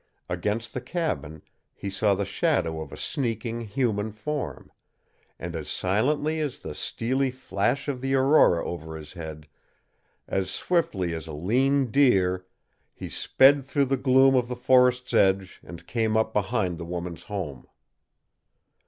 Against the cabin he saw the shadow of a sneaking human form; and as silently as the steely flash of the aurora over his head, as swiftly as a lean deer, he sped through the gloom of the forest's edge and came up behind the woman's home.